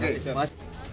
terima kasih pak